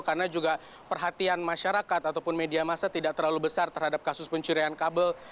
karena juga perhatian masyarakat ataupun media masa tidak terlalu besar terhadap kasus pencurian kabel